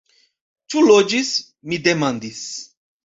Ĉu loĝis? mi demandis.